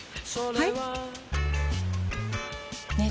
はい！